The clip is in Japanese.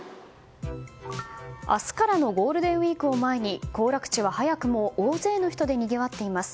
明日からのゴールデンウィークを前に行楽地は早くも大勢の人でにぎわっています。